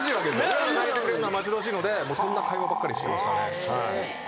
上原が投げてくれるのが待ち遠しいのでそんな会話ばっかりしてましたね。